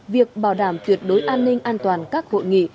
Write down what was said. việc bảo đảm tuyệt đối an ninh an toàn các hội nghị